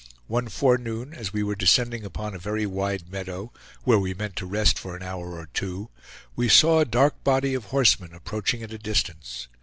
One forenoon, as we were descending upon a very wide meadow, where we meant to rest for an hour or two, we saw a dark body of horsemen approaching at a distance.